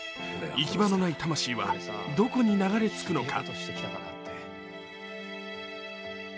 行き場のない魂は、どこに流れ着くのか。